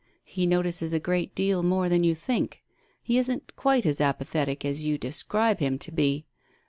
He notices a great deal more than you think. He isn't quite «as apathetic as you describe him to be.